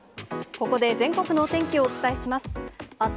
ここで全国のお天気をお伝えします。